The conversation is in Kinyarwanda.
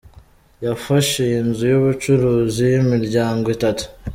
Yafashe iyi nzu y’ubucuruzi y’imiryango itatu.